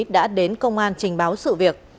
đã đến công an trình báo sự việc